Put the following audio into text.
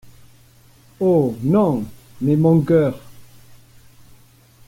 Oh ! non, mais mon cœur !…